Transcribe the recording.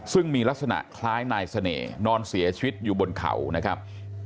ซึ่งมีลักษณะคล้ายนายเสน่ห์นอนเสียชีวิตอยู่บนเขานะครับ